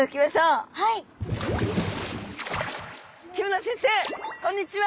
木村先生こんにちは！